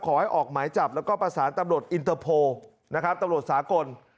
ขอให้ออกหมายจับแล้วก็ประสานตำรวจอินเตอร์โพลนะครับตำรวจสากล